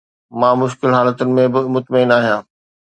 مان مشڪل حالتن ۾ به مطمئن آهيان